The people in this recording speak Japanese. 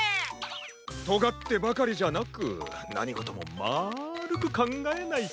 とがってばかりじゃなくなにごともまるくかんがえないと。